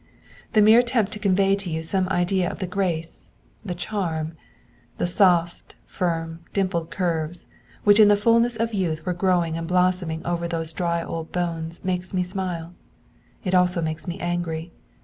The mere attempt to convey to you some idea of the grace, the charm, the soft, firm, dimpled curves, which in the fulness of youth were growing and blossoming over those dry old bones makes me smile; it also makes me angry.